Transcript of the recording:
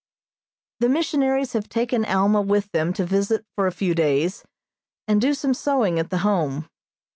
The missionaries have taken Alma with them to visit for a few days, and do some sewing at the Home.